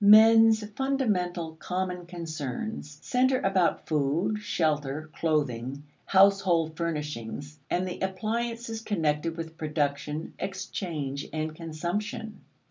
Men's fundamental common concerns center about food, shelter, clothing, household furnishings, and the appliances connected with production, exchange, and consumption.